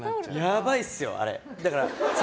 やばいっすよ、あれ！